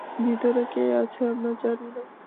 ভিতরে কে আছে আমরা জানি না।